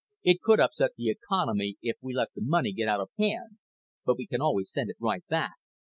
"It could upset the economy if we let the money get out of hand. But we can always send it right back.